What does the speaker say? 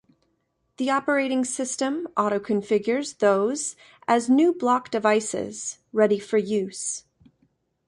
The operating system auto-configures those as new block devices, ready for use.